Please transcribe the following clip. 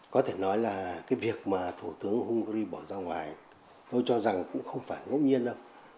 có thể nói là cái việc mà thủ tướng hungary bỏ ra ngoài tôi cho rằng cũng không phải ngốc nhiên đâu